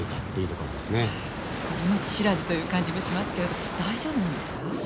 命知らずという感じもしますけれど大丈夫なんですか？